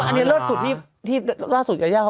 อันนี้ล่าสุดที่ล่าสุดอย่างยาก